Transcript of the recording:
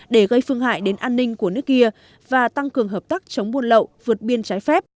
để gây phương hại đến an ninh của nước kia và tăng cường hợp tác chống buôn lậu vượt biên trái phép